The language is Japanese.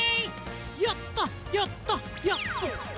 やったやったやったった！